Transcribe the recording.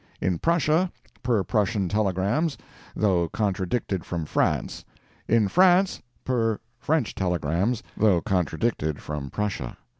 In Prussia, per Prussian telegrams, though contradicted from France. In France, per French telegrams, though contradicted from Prussia.